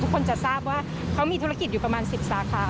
คนจะทราบว่าเขามีธุรกิจอยู่ประมาณ๑๐สาขา